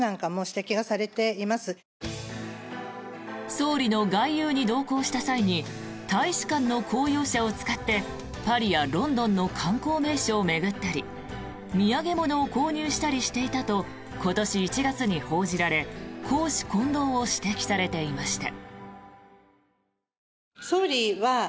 総理の外遊に同行した際に大使館の公用車を使ってパリやロンドンの観光名所を巡ったり土産物を購入したりしていたと今年１月に報じられ公私混同を指摘されていました。